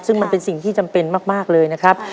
ซึ่งมันเป็นสิ่งที่จำเป็นมากเลยนะครับ